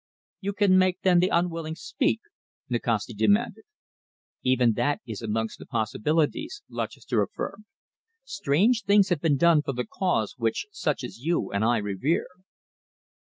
"You can make, then, the unwilling speak?" Nikasti demanded. "Even that is amongst the possibilities," Lutchester affirmed. "Strange things have been done for the cause which such as you and I revere."